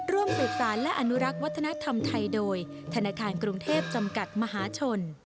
ร่วมสืบสารและอนุรักษ์วัฒนธรรมไทยโดยธนาคารกรุงเทพจำกัดมหาชน